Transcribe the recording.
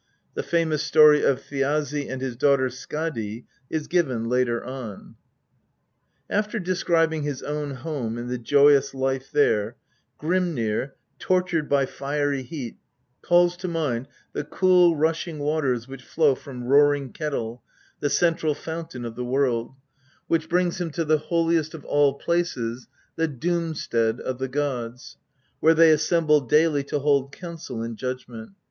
The famous story of Thiazi and his daughter Skadi is given later on. After describing his own home and the joyous life there, Grimnir, tortured by fiery heat, calls to mind the cool, rushing waters which flow from Roaring Kettle, the central fountain of the world, which brings him to the holiest of all places, the Doomstead of the gods, where they assemble daily to hold council and judgment.